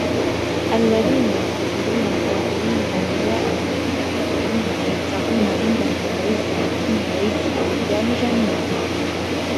الذين يتخذون الكافرين أولياء من دون المؤمنين أيبتغون عندهم العزة فإن العزة لله جميعا